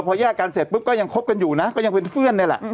พอแยกกันเสร็จปุ๊บก็ยังคบกันอยู่นะก็ยังเป็นเพื่อนนี่แหละ